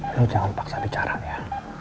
ini jangan paksa bicara ya